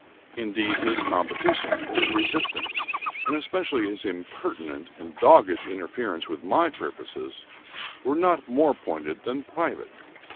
Indeed, his competition, his resistance, and especially his impertinent and dogged interference with my purposes, were not more pointed than private.